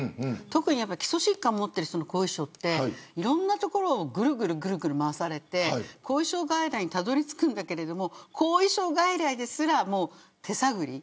特に基礎疾患を持っている人の後遺症っていろんなところをグルグルグルグル回されて後遺症外来にたどり着くけれど後遺症外来ですら手探り。